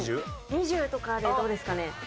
２０？２０とかでどうですかね？